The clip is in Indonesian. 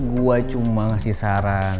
gua cuma ngasih saran